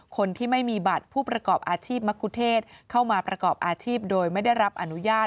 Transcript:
คนที่ไม่มีบัตรผู้ประกอบอาชีพมะคุเทศเข้ามาประกอบอาชีพโดยไม่ได้รับอนุญาต